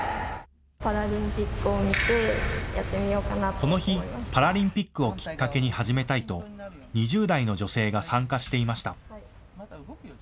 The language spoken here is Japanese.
この日、パラリンピックをきっかけに始めたいと２０代の女性が参加していました。